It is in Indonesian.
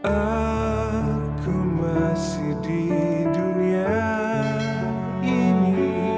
aku masih di dunia ini